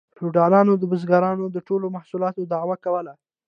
فیوډالانو د بزګرانو د ټولو محصولاتو دعوه کوله